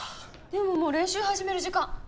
でももう練習始める時間。